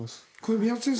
宮田先生